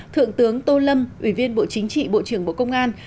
thượng tướng tô lâm ủy viên bộ chính trị bộ trưởng bộ công an